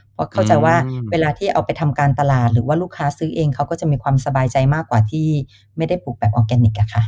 เพราะเข้าใจว่าเวลาที่เอาไปทำการตลาดหรือว่าลูกค้าซื้อเองเขาก็จะมีความสบายใจมากกว่าที่ไม่ได้ปลูกแบบออร์แกนิคอะค่ะ